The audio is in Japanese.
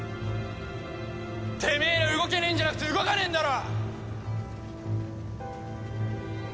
てめえら動けねえんじゃなくて動かねえんだろ！